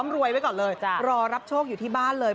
รอรับโชคอยู่ที่บ้านเลย